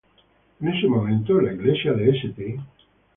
En ese momento la Iglesia de St.